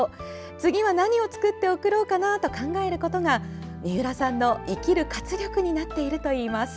次は何を作って送ろうかなと考えることが三浦さんの生きる活力になっているといいます。